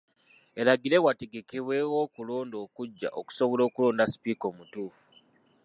Eragire wategekebwewo okulonda okuggya okusobola okulonda sipiika omutuufu.